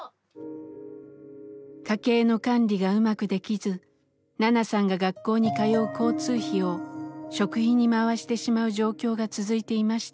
家計の管理がうまくできずナナさんが学校に通う交通費を食費に回してしまう状況が続いていました。